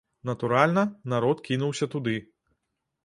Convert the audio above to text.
Натуральна, народ кінуўся туды.